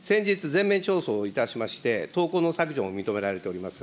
先日、をいたしまして、投稿の削除を認められております。